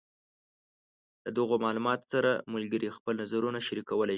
له دغو معلوماتو سره ملګري خپل نظرونه شریکولی شي.